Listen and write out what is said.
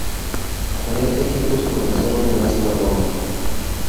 Cuarenta equipos comenzaron en esta ronda.